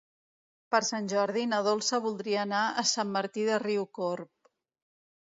Per Sant Jordi na Dolça voldria anar a Sant Martí de Riucorb.